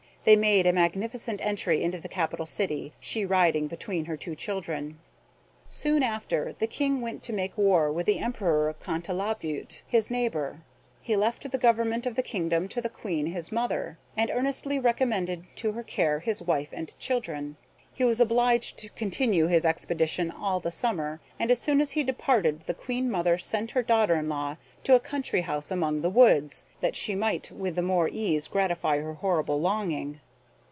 They made a magnificent entry into the capital city, she riding between her two children. Soon after the King went to make war with the Emperor Contalabutte, his neighbor. He left the government of the kingdom to the Queen his mother, and earnestly recommended to her care his wife and children. He was obliged to continue his expedition all the summer, and as soon as he departed the Queen mother sent her daughter in law to a country house among the woods, that she might with the more ease gratify her horrible longing.